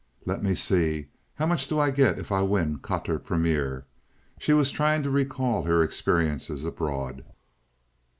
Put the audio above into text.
"Let me see. How much do I get if I win quatre premier?" She was trying to recall her experiences abroad.